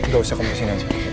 gak usah aku masukin aja